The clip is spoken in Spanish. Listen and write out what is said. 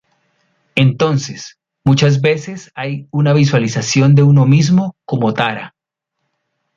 Entonces, muchas veces hay una visualización de uno mismo como Tara.